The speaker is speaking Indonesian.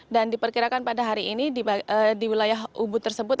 dan diperkirakan pada hari ini di wilayah ubud tersebut